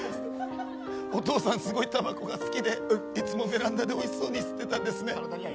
お父さんすごいたばこが好きでいつもベランダでおいしそうに吸ってたんですね。